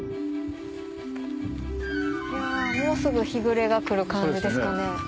もうすぐ日暮れが来る感じですかね。